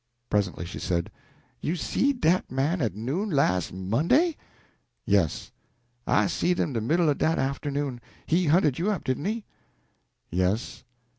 Presently she said "You seed dat man at noon, las' Monday?" "Yes." "I seed him de middle o' dat arternoon. He hunted you up, didn't he?" "Yes."